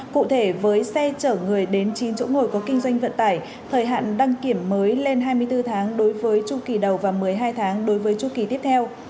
cụ thể với xe chở người đến chín chỗ ngồi có kinh doanh vận tải thời hạn đăng kiểm mới lên hai mươi bốn tháng đối với chu kỳ đầu và một mươi hai tháng đối với chu kỳ tiếp theo